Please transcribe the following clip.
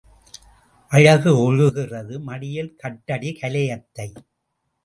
அழகு ஒழுகுகிறது, மடியில் கட்டடி கலயத்தை.